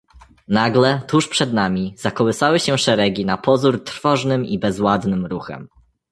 "Nagle, tuż przed nami, zakołysały się szeregi na pozór trwożnym i bezładnym ruchem."